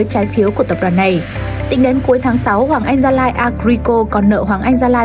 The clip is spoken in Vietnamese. hoàng anh gia lai agrico còn nợ hoàng anh gia lai